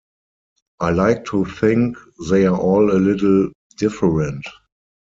I like to think they're all a little different.